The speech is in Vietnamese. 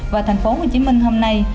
và tp hcm hôm nay